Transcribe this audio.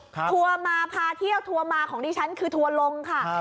ทัวร์มาพาเที่ยวทัวร์มาของดิฉันคือทัวร์ลงค่ะ